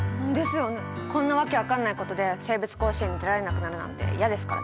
こんな訳分かんないことで生物甲子園に出られなくなるなんて嫌ですからね！